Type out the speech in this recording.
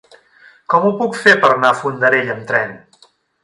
Com ho puc fer per anar a Fondarella amb tren?